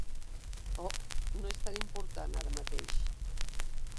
Oh, no és tan important ara mateix.